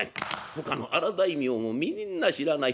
ほかの荒大名もみんな知らない。